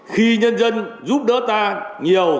khi nhân dân giúp đỡ ta nhiều